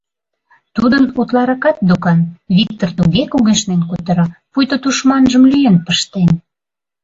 Тудын утларакат докан, — Виктыр туге кугешнен кутыра, пуйто тушманжым лӱен пыштен.